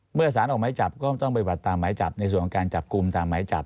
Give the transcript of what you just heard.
เมื่อสารออกหมายจับก็ต้องไปบัดตามหมายจับในส่วนของการจับกลุ่มตามหมายจับ